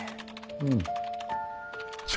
うん。